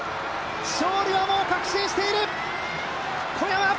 勝利をもう革新している、小山。